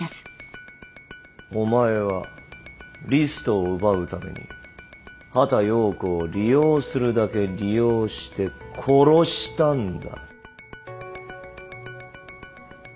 お前はリストを奪うために畑葉子を利用するだけ利用して殺したんだ